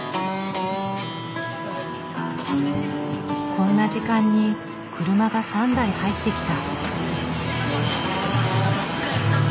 こんな時間に車が３台入ってきた。